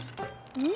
うん？